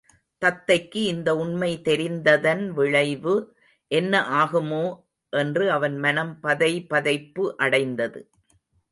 தத்தைக்கு இந்த உண்மை தெரிந்ததன் விளைவு என்ன ஆகுமோ? என்று அவன் மனம் பதைபதைப்பு அடைந்தது.